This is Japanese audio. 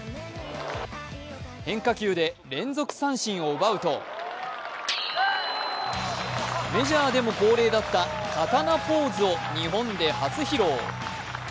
変化球で連続三振を奪うとメジャーでも恒例だった刀ポーズを日本で初披露。